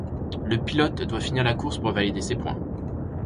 Le pilote doit finir la course pour valider ses points.